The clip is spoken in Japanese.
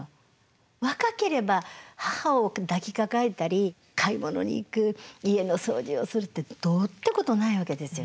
若ければ母を抱きかかえたり買い物に行く家の掃除をするってどうってことないわけですよ